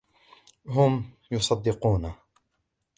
هم يصدقونه.